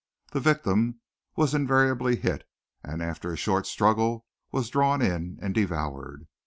The victim was invariably hit, and after a short struggle was drawn in and devoured.